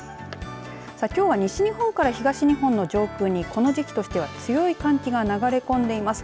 さあ、きょうは西日本から東日本の上空にこの時期としては強い寒気が流れ込んでいます。